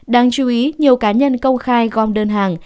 đáng chú ý nhiều cá nhân công khai gom đơn hàng